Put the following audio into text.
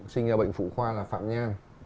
sinh ra bệnh phụ khoa là phạm nhan